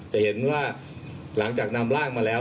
จะเห็นว่าหลังจากนำร่างมาแล้ว